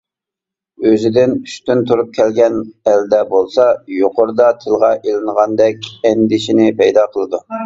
ئۆزىدىن ئۈستۈن تۇرۇپ كەلگەن ئەلدە بولسا يۇقىرىدا تىلغا ئېلىنغاندەك ئەندىشىنى پەيدا قىلىدۇ.